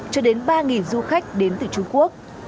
cho đến ba du khách đến từ trung quốc